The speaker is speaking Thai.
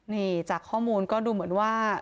นี่จากข้อมูลก็ดูเหมือนว่า